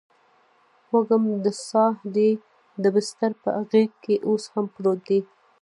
وږم د ساه دی دبسترپه غیږکې اوس هم پروت دي